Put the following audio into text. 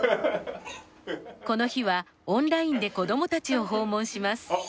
この日はオンラインで子どもたちを訪問します。